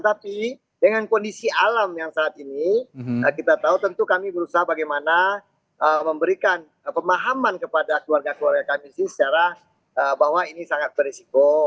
tapi dengan kondisi alam yang saat ini kita tahu tentu kami berusaha bagaimana memberikan pemahaman kepada keluarga keluarga kami di sini secara bahwa ini sangat berisiko